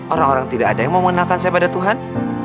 orang orang tidak ada yang mau mengenalkan saya pada tuhan